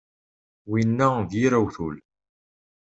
Winna d yir awtul.